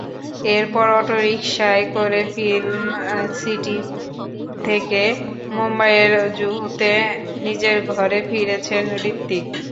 এরপর অটোরিকশায় করে film city থেকে মুম্বাইয়ের জুহুতে নিজের ঘরে ফিরেছেন হৃতিক।